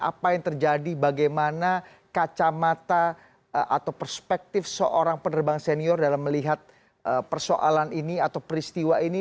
apa yang terjadi bagaimana kacamata atau perspektif seorang penerbang senior dalam melihat persoalan ini atau peristiwa ini